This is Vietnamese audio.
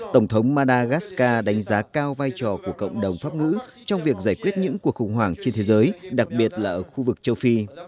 tổng thống madagascar đánh giá cao vai trò của cộng đồng pháp ngữ trong việc giải quyết những cuộc khủng hoảng trên thế giới đặc biệt là ở khu vực châu phi